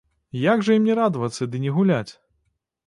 Як жа ім не радавацца ды не гуляць?